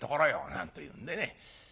なんというんでね。